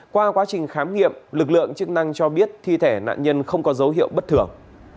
qua quá trình khám nghiệm lực lượng chức năng cho biết thi thể nạn nhân không có dấu hiệu bất thường